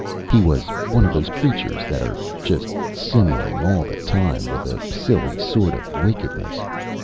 He was one of those creatures that are just simmering all the time with a silly sort of wickedness.